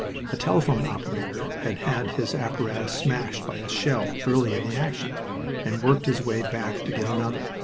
A telephone operator had had his apparatus smashed by a shell early in the action, and worked his way back to get another.